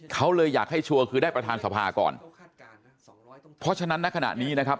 เขาเลยอยากให้ชัวร์คือได้ประธานสภาก่อนเพราะฉะนั้นณขณะนี้นะครับ